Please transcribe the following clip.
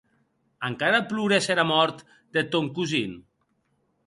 Encara plores era mòrt deth tòn cosin?